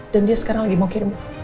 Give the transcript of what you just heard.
dia sekarang lagi mau kirim